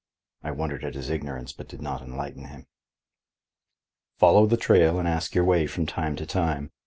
I wondered at his ignorance but did not enlighten him. "Follow the trail and ask your way from time to time.